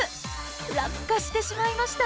落下してしまいました。